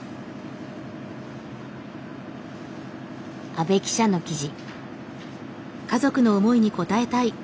阿部記者の記事。